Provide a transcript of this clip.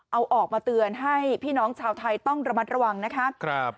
เอาออกมาเตือนให้พี่น้องชาวไทยต้องระมัดระวังนะคะ